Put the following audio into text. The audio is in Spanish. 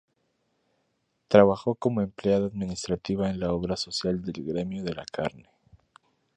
Trabajó como empleada administrativa en la obra social del gremio de la carne.